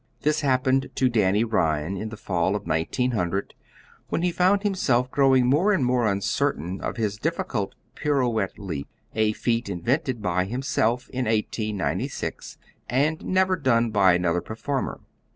This happened to Danny Ryan in the fall of 1900, when he found himself growing more and more uncertain of his difficult pirouette leap, a feat invented by himself in 1896, and never done by another performer.